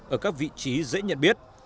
ở các vị trí dễ nhận biết